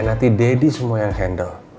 nanti deddy semua yang handle